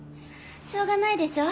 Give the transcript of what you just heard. しょうがないでしょ？